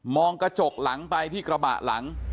องกระจกหลังไปที่กระบะหลัง